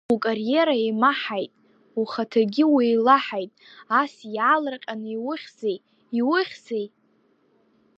Укариера еимаҳаит, ухаҭагьы уеилаҳаит, ас иаалырҟьан иухьзеи, иухьзеи?